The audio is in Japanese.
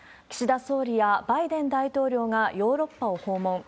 岸田総理やバイデン大統領がヨーロッパを訪問。